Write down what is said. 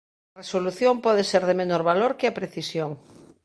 A resolución pode ser de menor valor que a precisión.